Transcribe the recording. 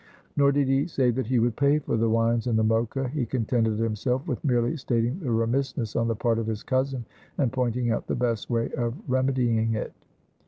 Nor did he say that he would pay for the wines and the Mocha; he contented himself with merely stating the remissness on the part of his cousin, and pointing out the best way of remedying it.